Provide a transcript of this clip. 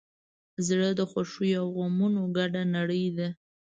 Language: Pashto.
زړه د خوښیو او غمونو ګډه نړۍ ده.